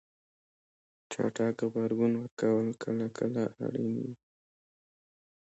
چټک غبرګون ورکول کله کله اړین وي.